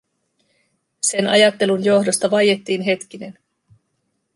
Sen ajattelun johdosta vaiettiin hetkinen.